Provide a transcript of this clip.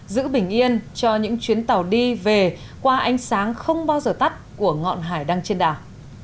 giữ bình yên cho những chuyến tàu đi về qua ánh sáng không bao giờ tắt của ngọn hải đăng trên đảo